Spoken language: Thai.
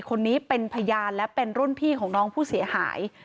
คนนี้เป็นพยานและเป็นรุ่นพี่ของน้องผู้เสียหาย